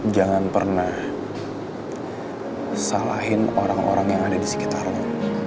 jangan pernah salahin orang orang yang ada di sekitarnya